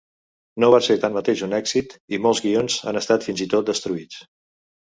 No va ser tanmateix un èxit i molts guions han estat fins i tot destruïts.